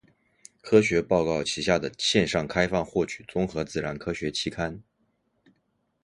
科学报告旗下的线上开放获取综合自然科学期刊。